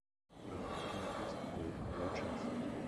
Moderator ist Will Rogers.